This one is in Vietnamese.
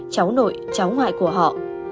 cháu nội cháu ngoại của họ